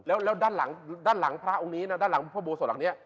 แล้วด้านหลังพระองค์นี้ด้านหลังพระโบสถ์หลังนี้